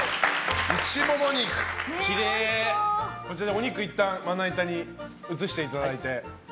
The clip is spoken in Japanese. お肉をいったんまな板に移していただいて。